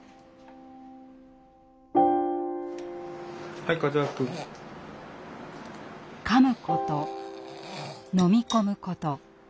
はい和明くん。かむこと飲み込むこと。